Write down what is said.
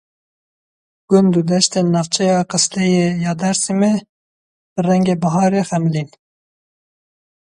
Gund û deştên navçeya Qisleyê ya Dêrsimê bi rengê biharê xemilîn.